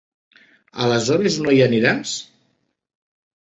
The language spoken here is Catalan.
Aleshores no hi aniràs?